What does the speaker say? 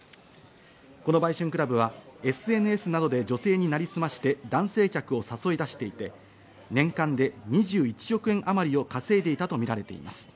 この売春クラブはＳＮＳなどで女性に成りすまして男性客を誘い出していて、年間で２１億円あまりを稼いでいたとみられています。